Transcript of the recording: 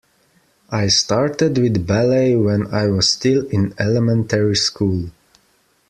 I started with ballet when I was still in elementary school.